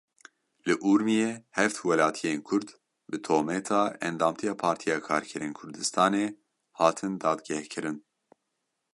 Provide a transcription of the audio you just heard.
Li Urmiyê heft welatiyên Kurd bi tometa endamtiya Partiya Karkerên Kurdistanê hatin dadgehkirin.